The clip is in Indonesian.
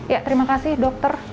ya terima kasih dokter